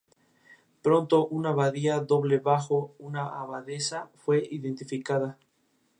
El conquistador castellano le dio el nombre de isla Rica.